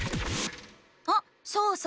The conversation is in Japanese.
あそうそう！